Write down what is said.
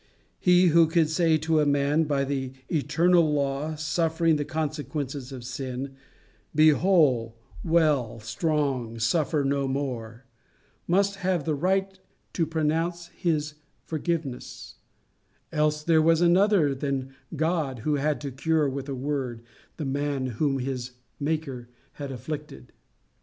He who could say to a man, by the eternal law suffering the consequences of sin: "Be whole, well, strong; suffer no more," must have the right to pronounce his forgiveness; else there was another than God who had to cure with a word the man whom his Maker had afflicted.